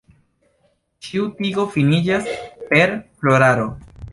Ĉiu tigo finiĝas per floraro.